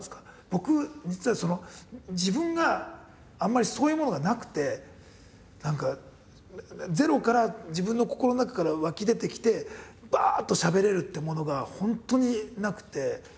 僕実は自分があんまりそういうものがなくて何かゼロから自分の心の中から湧き出てきてバッとしゃべれるってものが本当になくて。